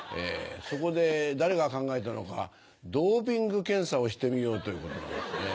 そこで誰が考えたのかドーピング検査をしてみようという。